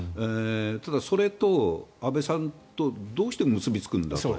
ただ、それと安倍さんとどうして結びつくんだと。